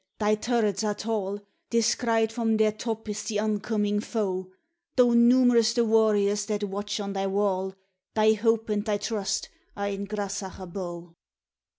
thy turrets are tall, Descried from their top is the oncoming foe; Though numerous the warriors that watch on thy wall, Thy hope and thy trust are in Grasach Abo.